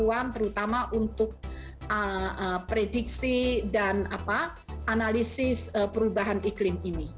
dan kita akan mencoba untuk melakukan prediksi dan analisis perubahan iklim ini